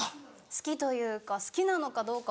好きというか好きなのかどうか分からない。